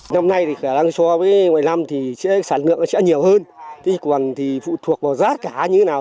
năm nay thì khả năng so với mọi năm thì sản lượng sẽ nhiều hơn thế còn thì phụ thuộc vào giá cả như thế nào